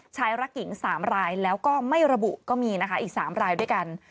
ชายรักหญิง๓รายแล้วก็ไม่ระบุก็มีนะคะอีก๓รายด้วยกัน